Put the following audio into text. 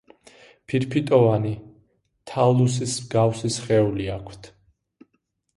ფირფიტოვანი, თალუსის მსგავსი სხეული აქვთ.